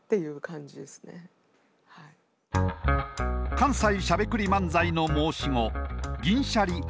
関西しゃべくり漫才の申し子銀シャリ橋本。